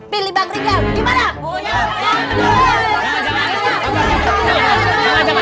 pilih bang rijal gimana